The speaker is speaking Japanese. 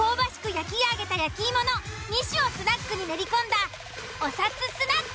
焼き上げた焼き芋の２種をスナックに練り込んだおさつスナック。